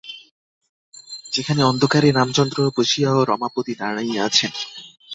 সেখানে অন্ধকারে রামচন্দ্র বসিয়া ও রমাপতি দাঁড়াইয়া আছেন।